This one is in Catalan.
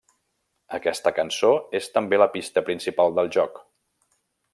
Aquesta cançó és també la pista principal del joc.